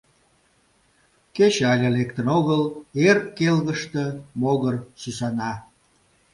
Кече але лектын огыл, эр келгыште могыр сӱсана.